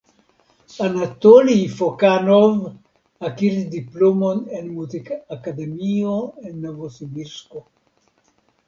Anatolij Fokanov akiris diplomon en muzikakademio en Novosibirsko.